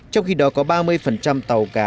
trong khi đó có ba mươi tàu cá